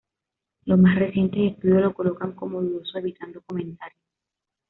Los más recientes estudios lo colocan como dudoso evitando comentarios.